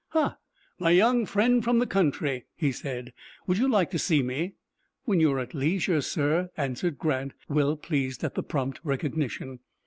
"Ha, my young friend from the country," he said; "would you like to see me?" "When you are at leisure, sir," answered Grant, well pleased at the prompt recognition.